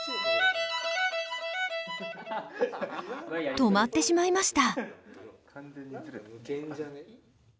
止まってしまいました。